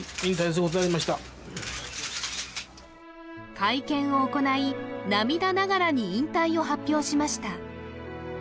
会見を行い涙ながらに引退を発表しました